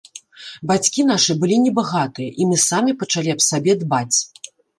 Бацькі нашы былі небагатыя, і мы самі пачалі аб сабе дбаць.